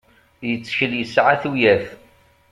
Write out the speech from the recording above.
Yettkel yesɛa tuyat.